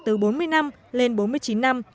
từ bốn mươi năm lên bốn mươi chín năm